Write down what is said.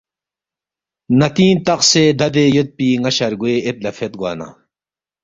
ناتینگ تخسے دادے یودپی نا شرگوے اید لا فید گوانا